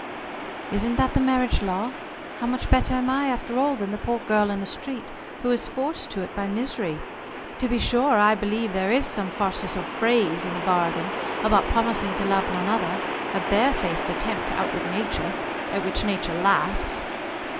"Isn't that the marriage law? How much better am I after all than the poor girl in the street, who is forced to it by misery? To be sure, I believe there is some farcical phrase in the bargain about promising to love none other, a bare faced attempt to outwit Nature, at which Nature laughs.